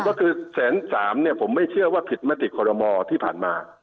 ก็คือแสนสามเนี่ยผมไม่เชื่อว่าผิดมติคอรมอที่ผ่านมา